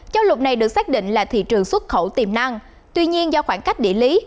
châu lục này được xác định là thị trường xuất khẩu tiềm năng tuy nhiên do khoảng cách địa lý